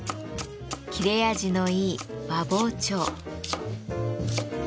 切れ味のいい和包丁。